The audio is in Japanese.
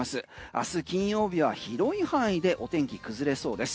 明日金曜日は広い範囲でお天気崩れそうです。